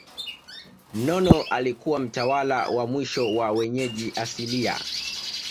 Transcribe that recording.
Nono alikuwa mtawala wa mwisho wa wenyeji asilia